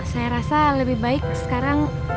saya rasa lebih baik sekarang